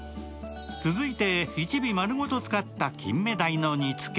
続いて、１尾まるごと使った金目鯛の煮つけ。